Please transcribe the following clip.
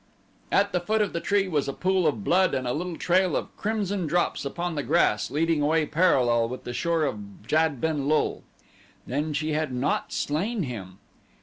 At the foot of the tree was a pool of blood and a little trail of crimson drops upon the grass, leading away parallel with the shore of Jad ben lul. Then she had not slain him!